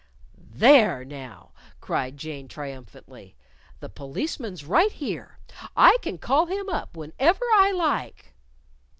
"There now!" cried Jane, triumphantly. "The policeman's right here. I can call him up whenever I like."